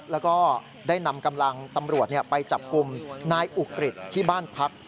แล้วก็ได้นำกำลังตำรวจไปจับกลุ่มนายอุกฤษที่บ้านพัก